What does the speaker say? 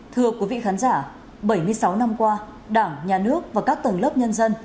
thưa quý vị khán giả bảy mươi sáu năm qua đảng nhà nước và các tầng lớp nhân dân